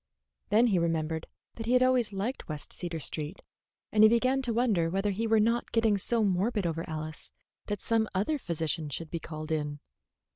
Then he remembered that he had always liked West Cedar Street, and he began to wonder whether he were not getting so morbid over Alice that some other physician should be called in.